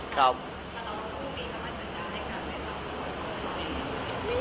บ้างก็จริง